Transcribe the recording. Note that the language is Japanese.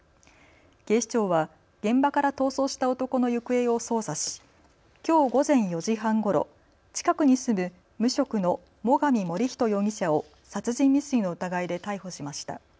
警視庁は現場から逃走した男の行方を捜査しきょう午前４時半ごろ近くに住む無職の最上守人容疑者を殺人未遂の疑いで逮捕しました。